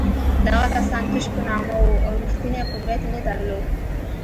دغه کسان تش په نامه وو او رښتینی قدرت یې نه درلود.